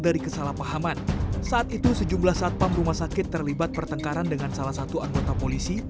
dari kesalahpahaman saat itu sejumlah satpam rumah sakit terlibat pertengkaran dengan salah satu anggota polisi